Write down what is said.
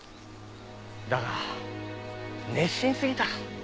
だが熱心すぎた。